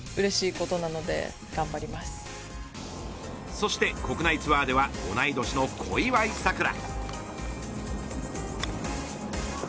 そして国内ツアーでは同い年の小祝さくら。